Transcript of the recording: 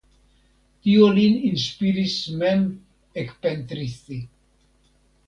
Tio lin inspiris mem ekpentristi.